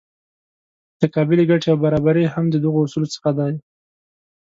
متقابلې ګټې او برابري هم د دغو اصولو څخه دي.